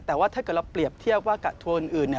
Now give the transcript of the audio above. แต่ว่าถ้าเกิดเราเปรียบเทียบกับทัวร์อื่น